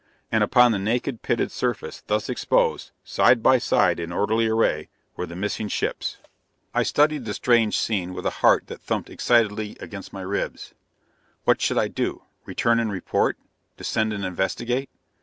And upon the naked, pitted surface thus exposed, side by side in orderly array, were the missing ships! I studied the strange scene with a heart that thumped excitedly against my ribs. What should I do? Return and report? Descend and investigate?